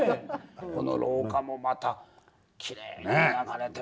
この廊下もまたきれいに磨かれてますね。